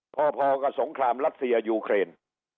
พอกับสงครามรัสเซียยูเครน